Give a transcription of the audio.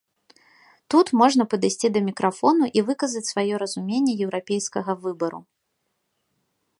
Тут можна падысці да мікрафону і выказаць сваё разуменне еўрапейскага выбару.